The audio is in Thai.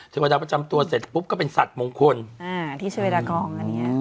เทวดาประจำตัวเสร็จปุ๊บก็เป็นสัตว์มงคลอ่าที่เฉวดากองอันเนี้ย